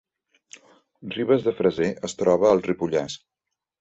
Ribes de Freser es troba al Ripollès